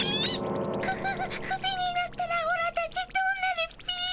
ククククビになったらオラたちどうなるっピィ？